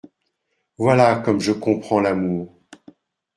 Voilà comme je comprends l’amour !